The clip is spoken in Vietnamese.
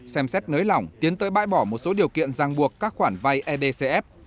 xem xét nới lỏng tiến tới bãi bỏ một số điều kiện giang buộc các khoản vay edcf